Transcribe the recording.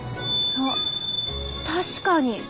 あっ確かに！